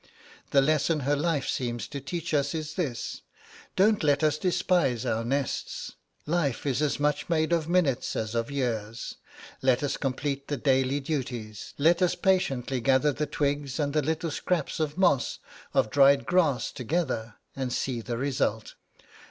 The lesson her life seems to teach us is this: Don't let us despise our nests life is as much made of minutes as of years; let us complete the daily duties; let us patiently gather the twigs and the little scraps of moss, of dried grass together, and see the result!